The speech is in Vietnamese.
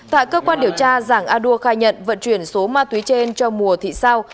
tại cơ quan điều tra giảng a đua khai nhận vận chuyển số ma túy trên cho mùa thị sao